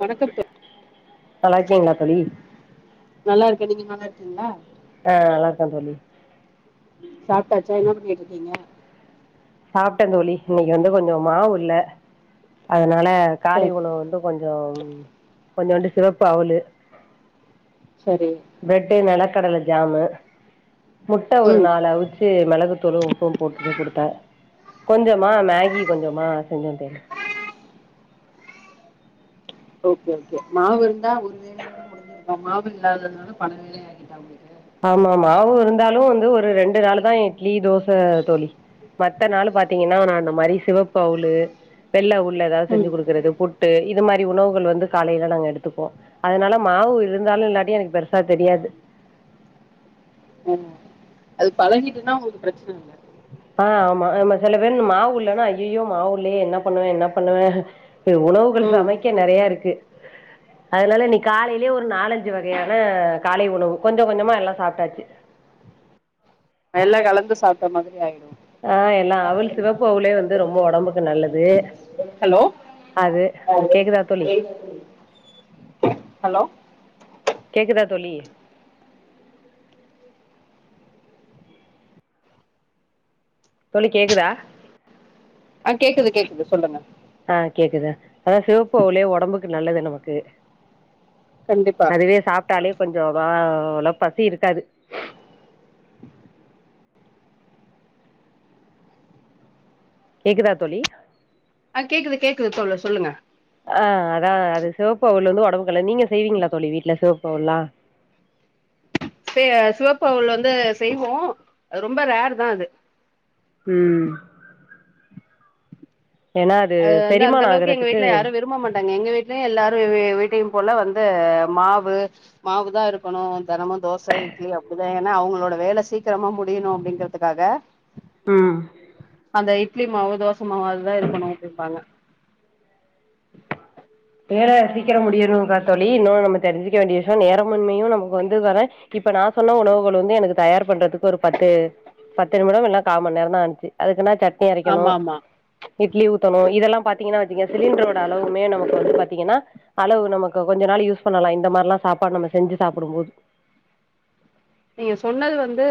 வணக்கம் தோ நல்லாருக்கீங்ளா தோழி நல்லா இருக்கே நீங்க நல்லா இருக்கீங்ளா ஆ நல்லாருக்கா தோழி சாப்ட்டாச்சா என்ன பண்ணிட்ருக்கீங்க சாப்ட்ட தோழி இன்னைக்கு வந்து கொஞ்ச மாவு இல்ல அதனால காலை சரி உணவு வந்து கொஞ்சம் கொஞ்சோண்டு சிவப்பு அவளு சரி ப்ரெட்டு நெலக்கடல ஜாமு முட்ட ஒரு ம் நாலு அவுச் சு மெளகுத்தூளு உப்பு போட்டுட்டு குடுத்த கொஞ்சமா மேகி கொஞ்சமா செஞ்சே தோழி ஓகே ஓகே மாவு இருந்தா இப்ப மாவு இல்லாதுனால பல வேலை ஆகி [unintelligible] ஆமாமா மாவு இருந்தாலு வந்து ஒரு ரெண்டு நாளுதா இட்லி தோச தோழி மத்த நாளு பாத்தீங்கன்னா நா இந்த மாரி சிவப்பு அவுலு வெள்ள அவுல்ள ஏதாது ம் செஞ்சு குடுக்குறது புட் டு இது மாரி உணவுகள் வந்து காலைல நாங்க எடுத்துக்குவோ அதுனால மாவு இருந்தாலு இல்லாட்டியு எனக்கு பெருசா தெரியாது ஆ அது பழகிட்டுனா உங்குளுக்கு பிரச்சன இல்ல ஆ ஆமா நம்ம செல பேரு மாவு இல்லனா ஐய்யயோ மாவு இல்லேயே என்னா பண்ணுவ என்னா பண்ணுவ [unintelligible] உணவுகள் ம் சமைக்க நெறயா இருக்கு அதனால இன்னைக்கு காலையிலியே ஒரு நாலஞ்சு வகையான காலை உணவு கொஞ்ச கொஞ்சமா எல்லா சாப்ட்டாச்சு எல்லா கலந்து சாப்ட்ட மாதிரி ஆயிரு ஆ எல்லா அவல் சிவப்பு அவுலே வந்து ரொம்ப ஒடம்புக்கு நல்லது ஹலோ அது கேக்குதா தோழி ஹலோ கேக்குதா தோழி தோழி கேக்குதா ஆ கேக்குது கேக்குது சொல்லுங்க ஆ கேக்குது அதா சிவப்பு அவுலே ஒடம்புக்கு நல்லது நமக்கு கண்டிப்பா அதுவே சாப்ட்டாலே கொஞ்சோ வா அவ்ளோ பசி இருக்காது கேக்குதா தோழி ஆகேக்குது கேக்குது தோழர் சொல்லுங்க ஆ அதா அது சிவப்பு அவுலு வந்து ஒடம்புக்கு நல்லது நீங்க செய்வீங்களா தோழி வீட்ல சிவப்பு அவுல்லா செ சிவப்பு அவுலு வந்து செய்வோ ரொம்ப ரேர்தா அது ம் ஏன்னா அது வந்து செரிமான அந்தளவுக்கு எங்க ஆகுறதுக்கு வீட்ல யாரு விரும்பமாட்டாங்க எங்க வீட் இல்ல எல்லாரு வீ வீட்டையு போல வந்து மாவு மாவுதா இருக்கணு தெனமு தோச இட்லி அப்டிதா ஏனா அவங்களோட வேல சீக்கிரமா முடியணு அப்டிங்கறதுக்காக ம் அந்த இட்லி மாவு தோச மாவு அதுதா இருக்கணு அப்டிம்பாங்க வேல சீக்கிரோ முடியணு [unintelligible] தோழி இன்னு நம்ம தெரிஞ்சிக்க வேண்டிய விஷியோ நேர மின்மையு நமக்கு வந்து [unintelligible] இப்ப நா சொன்ன உணவுகள் வந்து எனக்கு தயார் பண்றதுக்கு ஒரு பத்து பத்து நிமிடம் இல்ல காமண் நேரந்தா ஆனுச்சு அதுக்குனா சட் னி அரைக்கணு ஆமா ஆமா இட்லி ஊத்தணு இதெல்லா பாத்தீங்கன்னா வச்சுக்கியே சிலிண்டரோட அளவுமே நமக் கு பாத்தீங்கன்னா அளவு நமக்கு கொஞ்ச நாள் யூஸ் பண்ணலா இந்த மாரில்லா சாப்பாடு நம்ம செஞ்சு சாப்புடும்போது நீங்க சொன்னது வந்து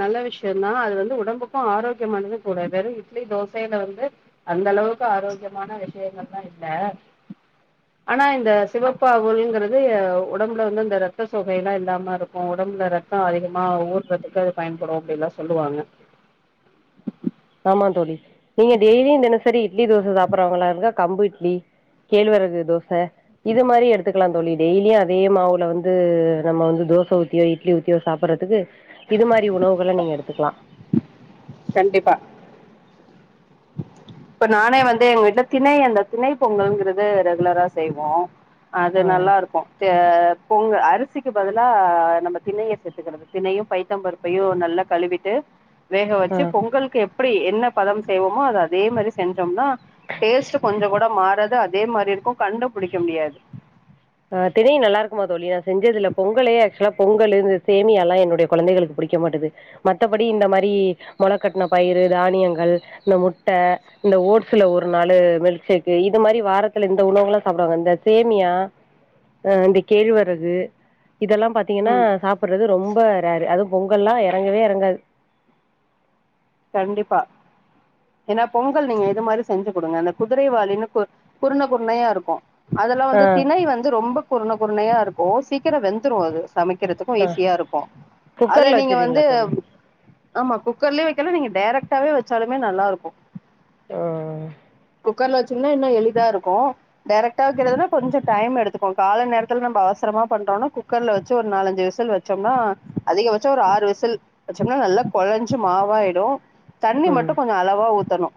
நல்ல விஷியந்தா அது வந்து ஒடம்புக்கு ஆரோக்கியமானது கூட வெறு இட்லி தோசைல வந்து அந்த அளவுக்கு ஆரோக்கியமான விஷியங்கல்லா இல்ல ஆனா இந்த சிவப்பு அவுல்ங்குறது ஒடம்புல வந்து அந்த ரத்த சோகை எல்லா இல்லாம இருக்கு ஒடம்புல ரத் க்கா அதிகமா ஊர்றதுக்கு அது பயன்படு அப்டி எல்லா சொல்லுவாங்க ஆமா தோழி நீங்க டெய்லியு தினசரி இட்லி தோச சாப்புடுறவங்ளா இருந்தா கம்பு இட்லி கேழ்வரகு தோச இது மாரி எடுத்துக்கலா தோழி டெய்லியு அதே மாவுல வந்து நம்ம வந்து தோச ஊத்தியோ இட்லி ஊத்தியோ சாப்றதுக்கு இது மாரி உணவுகள நீங்க எடுத்துக்கலா கண்டிப்பா இப்ப நானே வந்து எங்க வீட்ல திணை அந்த திணை பொங்கல்றது ரெகுலரா செய்வோ அது ஆ நல்லாருக்கு த பொங் அரிசிக்கு பதிலா நம்ம திண்ணைய சேத்துகறது திண்ணையு பைத்தம்பரு பையு நல்ல கழுவிட்டு வேக ஆ வச்சு பொங்கலுக்கு எப்டி என்ன பதம் செய்வோமோ அத அதே மாரி செஞ்சோம்னா டேஸ்ட் கொஞ்ச கூட மாறது அதே மாரி இருக்கு கண்டு புடிக்க முடியாது ஆ தினண நல்லாருக்குமா தோழி நா செஞ்சதுல்ல பொங்கலே ஆக்சுவலா பொங்கல் இந்த சேமிய எல்லா என்னுடய கொழந்தைகளுக்கு பிடிக்க மாட்டேது மத்தபடி இந்த மாரி மொளக்கட்ன பயிரு தானியங்கள் இந்த முட்ட இந்த ஓட்ஸ்ல ஒரு நாளு மில்க்ஷேக் இது மாரி வாரத்துல இந்த உணவுகல்லா சாப்டுவாங்க இந்த சேமியா அ இந்த கேழ்வரகு இதெல்லா பாத்தீங்கன்னா ம் சாப்றது ரொம்ப ரேரு அதும் பொங்கல்லா எறங்கவே எறங்காது கண்டிப்பா ஏனா பொங்கல் நீங்க இது மாரி செஞ்சு குடுங்க இந்த குதிரைவாளினு கு குருண குருணையாருக்கு அதெல்லா ஆ வந்து திணை வந்து ரொம்ப குருண குருணையா இருக்கு சீக்கிர வெந்துரும் அது சமைக்கறதுக்கு ஆ ஈஸியா இருக்கு அத குக்கர்ல நீங்க வந்து வச்சிருவீங்களா தோழி ஆமா குக்கர்லயு தல நீங்க டெரக்டாவே வச்சாலுமே நல்லாருக்கு ஆ குக்கர்ல வச்சிங்கன்னா இன்னு எளிதாருக்கு டெரக்டா வக்கிறதுனா கொஞ்ச டைம் எடுத்துக்கு கால நேரத்துல நம்ம அவசரமா பண்றோன்னா குக்கர்ல வச்சு ஒரு நாலஞ்சு விசில் வச் வச்சோன்னா அதிகபட்சம் ஒரு ஆறு விசல் வச்சோம்னா நல்லா குழஞ்சு மாவாய் டு தண்ணி ம் மட்டும் கொஞ்ச அளவா ஊத்தணு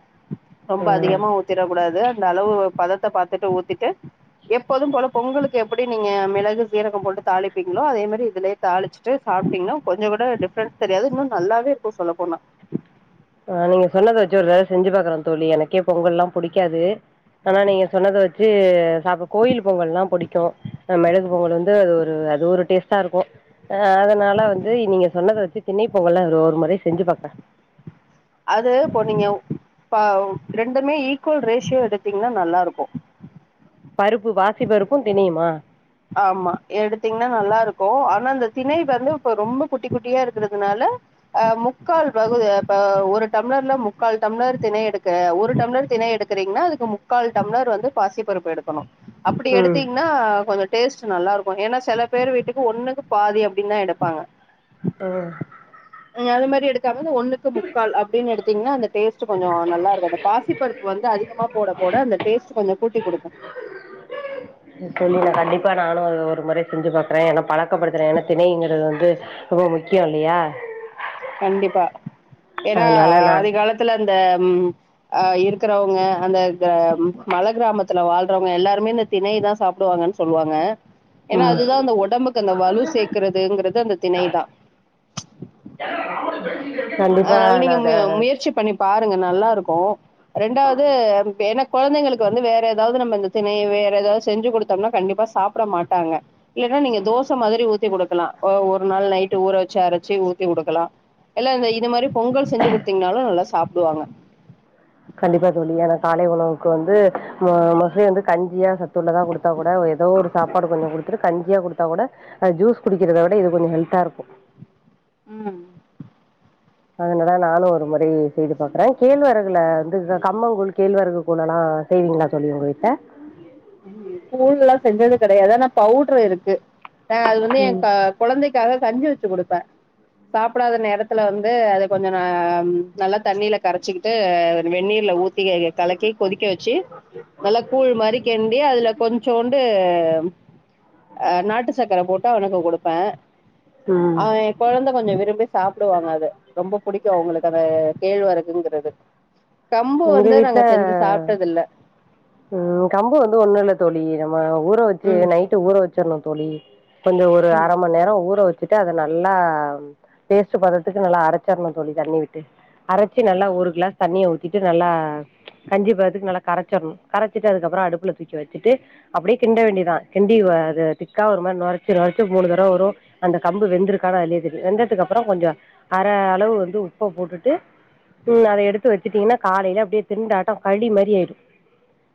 ரொம்ப ம் அதிகமா ஊத் திட கூடாது அந்த அளவு பதத்த பாத்துட்டு ஊத்திட்டு எப்போது போல பொங்கலு எப்டி நீங்க மிளகு சீரகம் போட்டு தாளிப்பீங்களோ அதே மாரி இதுலே தாளிச்சிட்டு சாப்டீங்ன்னா கொஞ்ச கூட டிஃப்ரென்ஸ் தெரியாது இன்னு நல்லாவே இருக்கு சொல்ல போனா ஆ நீங்க சொன்னத வச்சு ஒரு வேள செஞ்சு பாக்குறோ தோழி எனக்கே பொங்கல்லா புடிக்காது ஆனா நீங்க சொன்னத வச்சு சாப்பு கோயில் பொங்கல்லா புடிக்கு மெளகு பொங்கல் வந்து அது ஒரு அது ஒரு டேஸ்ட்டா இருக்கு ஆ அதுனால வந்து நீங்க சொன்னத வச்சு தின்னண பொங்கல்லா ஒரு முறை செஞ்சு பாக்கறே அது இப்போ நீங்க ப ரெண்டுமே ஈக்குவல் ரேஷியோ எடுத்தீங்னா நல்லாருக்கு பருப்பு பாசி பருப்பு திணையுமா ஆமா எடுத்தீங்கன்னா நல்லா இருக்கு ஆனா அந்த திணை வந்து இப்ப ரொம்ப குட்டி குட்டியா இருக்கறதுனால அ முக்கால் பகுப் ப ஒரு டம்ளர்ல முக்கால் டம்ளர் தினை எடுக்க ஒரு டம்ளர் தினை எடுக் எடுத்தீங்கா அதுக்கு முக்கால் டம்ளர் வந்து பாசி பருப்பு எடுக்கணு அப்டி ம் எடுத்தீங்கன்னா கொஞ்ச டேஸ்ட் நல்லா இருக்கு ஏன்னா சில பேர் வீட்டுக்கு ஒண்ணுக்கு பாதி அப்டின்னு தா எடுப்பாங்க ஆ நீ அது மாரி எடுக் கண்ணு ஒண்ணுக்கு முக்கால் அப்டின்னு எடுத்தீங்கன்னா அந்த டேஸ்டு கொஞ்சம் நல்லா இருக்கு அந்த பாசிப்பருப்பு வந்து அதிகமா போட போட அந்த டேஸ்ட் கொஞ்ச கூட்டி குடுக்கு சொல்லி நா கண்டிப்பா நானு ஒரு முறை செஞ்சு பாக்குறே ஏனா பழக்கப்படுத்துறே ஏன்னா திணைங்கிறது வந்து ரொம்ப முக்கிய இல்லயா கண்டிப்பா ஏன்னா அதனால நா ஆதி காலத் துல இந்த அ இருக்கிறவங்க அந்த மல கிராமத் த்துல வாழ்றவங்க எல்லாருமே இந்த திணை தா சாப்பிடுவாங்கன்னு சொல்லுவாங்க ஏனா ம் அதுதா அந்த உடம்புக்கு அந்த வலு சேக்குறதுங்கிறது அந்த திணைதா கண்டிப்பா அதனால நா நீங்க அத மு முயற்சி பண்ணி பாருங்க நல்லா இருக்கு ரெண்டாவது எனக் குழந்தைங்களுக்கு வந்து வேற எதாவது நம்ம இந்த திணையை வேற எதாவது செஞ்சு குடுத்தோம்னா கண்டிப்பா சாப்பிட மாட்டாங்க இல்லனா நீங்க தோசை மாரி ஊத்தி குடுக்கலா ஒரு நாள் நைட் ஊற வச்சு அரைச்சி ஊத்தி குடுக்கலா இல்ல இந்த இட் இந்த மாரி பொங்கல் செஞ்சி குடுத்தீங்கனாலு நல்லா சாப்புடுவாங்க கண்டிப்பா தோழி ஆனா காலை உணவுக்கு வந்து மோஸ்லி வந்து கஞ்சியா சத்துள்ளதா குடுத் குடுத்தா கூட ஏதோ ஒரு சாப்பாடு கொஞ்ச குடுத்துட்டு கஞ்சியா குடுத்தா கூட அது ஜூஸ் குடிக்கிறத விட இது கொஞ்ச ஹெல்த்தா இருக்கு ம் ஒருமுறை நானு ஒரு முறை செய்தி பாக்குறே கேழ்வரகுல வந்து கம்மங்கூழ் கேழ்வரகு கூழ் எல்லா செய்வீங்களா தோழி உங்க வீட்ல ம் கூழ் எல்லா செஞ்சது கிடையாது ஆனா பவுடர் இருக்கு ஆ அது வந்து என் ம் க குழந்தைக்காக கஞ்சி வெச்சி குடுப்பே சாப்பிடாத நேரத்துல வந்து அத கொஞ்ச நா நல்லா தண்ணியில கரைச்சிக்கிட்டு வெந்நீர்ல ஊத் தி கலக்கி கொதிக்க வச்சு நல்லா கூழ் மாரி கிண்டி அதுல கொஞ்சோண்டு அ நாட்டு சக்கர போட்டு அவனுக்கு குடுப்பே ம் அ குழந்த கொஞ்ச விரும்பி சாப்பிடுவாங்க அது ரொம்ப பிடிக்கு அவுங்களுக்கு அந்த கேழ்வரகுங்கிறது கம்பு எங்க வந்து நாங்க செஞ்சி வீட்ல சாப்ட்டது இல்ல ம் கம்பு வந்து ஒண்ணு இல்ல தோழி நம்ம ஊற வச்சு ம் நைட்டு ஊற வச்சிர்ணு தோழி கொஞ்ச ஒரு அரை ம் மண்நேர ஊற வச்சுட்டு அத நல்லா பேஸ்ட்டு பதத்துக்கு நல்லா அரச்சரணு தோழி தண்ணி விட்டு அரச்சி நல்லா ஒரு கிளாஸ் தண்ணிய ஊத் த்திட்டு நல்லா கஞ்சி பதத்துக்கு நல்லா கரைச்சிர்ணு கரைச்சிட்டு அதுக்கப்புற அடுப்புல தூக்கி வச்சுட்டு அப்டியே கிண்ட வேண்டிதா கிண்டி அது திக்கா ஒரு மாரி நொரச்சி நொரச்சி மூணு தடவ வரு அந்த கம்பு வெந்திருக்கான் அதுலே தெரியு வெந்ததுக்கு அப்புற கொஞ்ச அரை அளவு வந்து உப்ப போட்டுட்டு ம் அத எடுத்து வச்சுட்டீங்கன்னா காலையில அப்படியே திண்டாட்ட களி மாரி ஆயிடு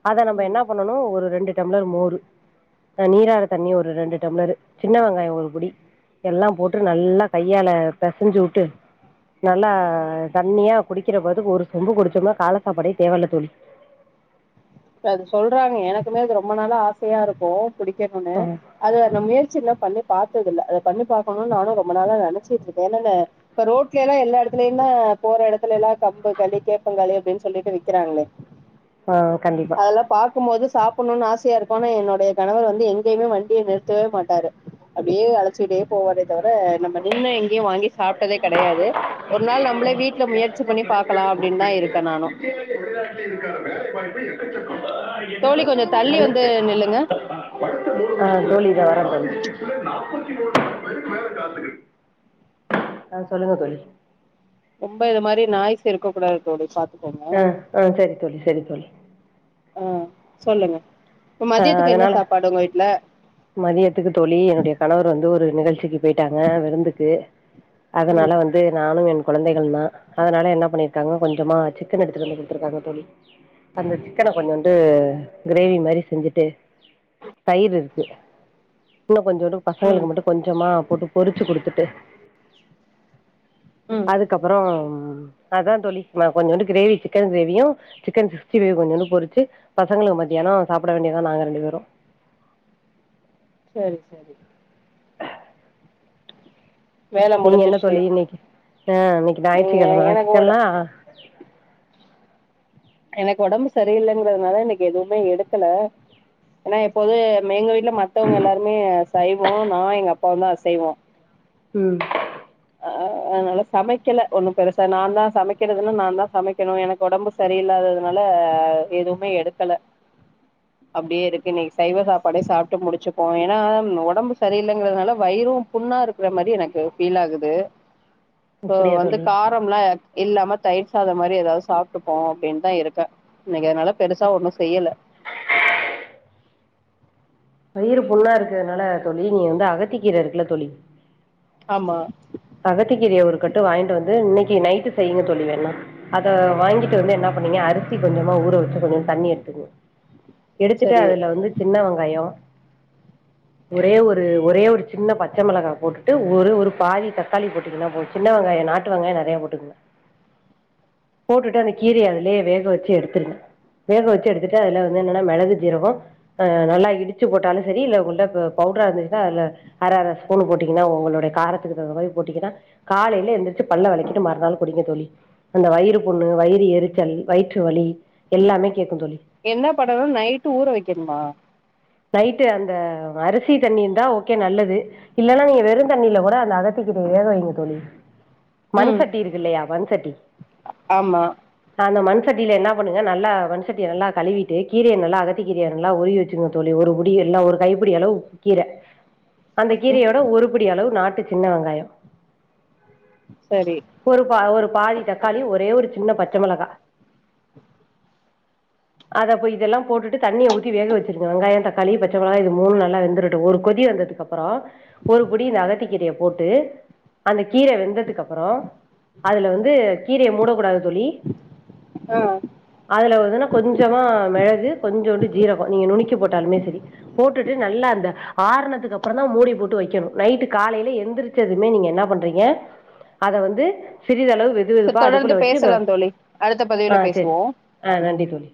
அத நம்ம என்ன ம் பண் ணனு ஒரு ரெண்டு டம்ளர் மோரு ஆ நீராறு தண்ணி ஒரு ரெண்டு டம்ளர் சின்ன வெங்காய ஒரு புடி எல்லாம் போட்டு நல்லா கையால பெசஞ்சி உட்டு நல்லா தண்ணியா குடிக்கிற பதத்துக்கு ஒரு சொம்பு குடிச்சோம்னா காலசாப்பாடே தேவ இல்ல தோழி இப்ப அது சொல்றாங்க எனக்குமே அது ரொம்ப நாள ஆசையா இருக்கு குடிக்கணுனு ஆ அது அந்த முயற்சி எல்லா பண்ணி பாத்ததில்ல அத பண்ணி பாக்கணுனு நானு ரொம்ப நாளா நினைச்சிட்டு இருக்கே என்னன்னே இப்ப ரோட்லயல்லா எல்லா இடத்துலயுந்தா போற இடத்துல எல்லாமே கம்பு களி கேப்பங்களி அப்படின்னு சொல்லிட்டு விக்கிறாங்களே ஆ கண்டிப்பா அதெல்லா பாக்கும்போது சாப் புணுனு ஆசையா இருக்கு ஆனா என்னுடைய கணவர் வந்து எங்கயுமே வண்டிய நிறுத்தவே மாட்டாரு அப்படியே வ லச்சி அப்டியே போவாரே தவிர நம்ம நின்னு எங்கேயு வாங்கி சாப்ட்டதே கிடையாது ஒரு நாள் நம்மளே வீட்ல முயற்சி பண்ணி பாக்கலா அப்படின்னு தா இருக்கே நானு கரெக்டு தோழி கொஞ்சோ தள்ளி வந்து நில்லுங்க ஆ தோழி இதோ வரே தோழி [inaudible] [inaudible] ஆ சொல்லுங்க தோழி ரொம்ப இத மாரி நாய்ஸ் இருக்க கூடாது தோழி பாத் ஆ ஆ சரி தோழி சரி தோழி ஆ சொல்லுங்க ஆ மதியத்துக்கு என்ன அதனால சாப்பாடு ஒங்க வீட்ல மதியத்துக்கு தோழி என்னுடைய கணவர் வந்து ஒரு நிகழ்ச்சிக்கு போயிட்டாங்க விருந்துக்கு ம் அதுனால வந் து நானு எ கொழந்தைகள் தா அதுனால என்ன பண்ணிருக்காங்க கொஞ்சமா சிக்கன் எடுத்துட்டு வந்து குடுத்துருக்காங்க தோழி அந்த சிக்கன கொஞ்சோன்டு கிரேவி மாரி செஞ்சுட்டு தயிரு இரு க்கு வுன்னோ கொஞ்சோண்டு ம் பசங்களுக்கு மட்டு கொஞ்சமா போட்டு பொறுச்சு குடுத்துட்டு ம் அதுக்கப்பறோ அதா தோழி நா கொஞ்சோண்டு கிரேவி சிக்கன் கிரேவியு சிக்கன் சிக்ஸ்டிஃபைவ் கொஞ்சோன்டு பொறுச்சு பசங்களுக்கு மதியானோ சாப்ட வேண்டியதா நாங்க ரெண்டு பேரு சரி சரி வேல நீங்க என்ன முடிஞ்சிருச்சு தோழி இன்னக்கி ஆ இன்னக்கி நீங்க நாயிற்றுக்கெழம எனக்கு ஒட சிக்கன்லா எனக்கு ஒடம்பு சரியில்லங்கறதுனால இன்னக்கி எதுவுமே எடுக்கல ஏனா எப்போது மே எங்க வீட்ல மத்தவுங்க எல்லாருமே சைவோ நா எங்க அப்பாவுந்தா அசைவோ ம் ஆ அதுனால சமைக்கல ஒண்ணு பெருசா நா தா சமைக்கிறதுல நா தா சமைக்கணு எனக்கு ஒடம்பு சரியில்லாததுனால எதுவுமே எடுக்கல அப்டியே இருக்கு இன்னக்கி சைவ சாப்பாடே சாப்ட்டு முடுச்சுப்போ ஏனா ஒடம்பு சரியில்லைங்கிறதுனால வயிரு புண்ணா இருக்குற மாரி எனக்கு ஃபீல் ஆகுது சோ அப்படியா வந்து தோழி கா ரம்லா இல்லாம தயிர் சாதோ மாரி ஏதாவது சாப்ட்டுப்போ அப்டின் தா இருக்கே இன்னக்கி அதுனால பெருசா ஒண்ணு செய்யல வயிறு புண்ணா இருக்கிறதுனால தோழி நீங்க வந்து அகத்திக்கீர இருக்குல தோழி ஆமா அகத்திக்கீரய ஒரு கட்டு வாங்கிட்டு வந்து இன்னக்கி நைட்டு செய்யிங்க தோழி வேணா அத வாங்கிட்டு வந்து என்னா பண்ணீங்க அரிசி கொஞ்சமா ஊற வச்சு கொஞ்சோன்டு தண்ணி எடுத்துக்கங்க எடுத்துட்டு சரி அதுல வந்து சின்ன வெங்காயோ ஒரே ஒரு ஒரே ஒரு சின்ன பச்ச மெளகா போட்டுட்டு ஒரு ஒரு பாதி தக்காளி போட்டீங்கன்னா போது சின்ன வெங்காயோ நாட்டு வெங்காயோ நெறைய போட்டுக்கங்க போட்டுட்டு அந்த கீரய அதுலயே வேக வச்சு எடுத்துருங்க வேக வச்சு எடுத்துட்டு அது வந்து என்னன்னா மெளகு சீரகோ அ நல்லா இடு இடுச்சு போட்டாலு சரி இல்ல கொண்ட ப பவுடரா இருந்துச்சுன்னா அதுல அர அர ஸ்பூன் போட்டீங்கன்னா ஒங்களுடய காரத்துக்கு தகுந்த மாரி போட்டீங்கன்னா காலேல எந்துருச்சு பல்ல வெளக்கிட்டு மறுநாள் குடிங்க தோழி அந்த வயிறு புண்ணு வயிறு எரிச்சல் வயிற்று வலி எல்லாமே கேக்கு தோழி என்ன படனு நைட்டு ஊற வைக்கணுமா நைட்டு அந்த அரிசி தண்ணி இருந்தா ஓகே நல்லது இல்லன்னா நீங்க வெறுந் தண்ணில கூட அந்த அகத்தி கீரய வேக வைங்க தோழி ம் மண்சட்டி இருக்கு இல்லையா மண்சட்டி ஆமா அந்த மண் சட்டில என்னா பண்ணுங்க நல்லா மண் சட்டிய நல்லா கழுவிட்டு கீரய நல்லா அகத்த கீரய நல்லா உருவி வச்சுக்கங்க தோழி ஒருபுடி எல்லா ஒரு கைப்பிடி அளவு கீர அந்த ம் கீரையோட ஒருபிடி அளவு நாட்டு சின்ன வெங்காயோ சரி ஒரு பா ஒரு பாதி தக்காளி ஒரே ஒரு சின்ன பச்ச மெளகா அதப்ப இதெல்லா போட்டு தண்ணிய ஊத்தி வேக வச்சிரு வெங்காயோ தக்காளி பச்ச மெளகா இது மூணு நல்லா வந்துரட்டு ஒரு கொதி வந்ததுக்கு அப்பறோ ஒரு புடி இந்த அகத்தி கீரைய போட்டு அந்த கீர வெந்ததுக்கு அப்பறோ அதுல வந்து கீரைய மூடக்கூடாது தோழி ஆ அதுல வந்துன்னா கொஞ்சமா மெளகு கொஞ்சோண்டு ஜீரகோ நீங்க நுனக்கி போட்டாலுமே செரி போட்டுட்டு நல்லா அந்த ஆரணத்துக்கு அப்பறோ தா மூடி போட்டு வைக்கணு நைட்டு காலையில எந்திரிச்சதுமே நீங்க என்ன பண்றீங்க அத வந்து சிறிதளவு வெது சரி வெதுப்பா அடுப்புல தொடர்ந்து வச்சு பேசலா தோழி அடுத்த ஆ பதிவுல செரி பேசுவோ ஆ நன்றி தோழி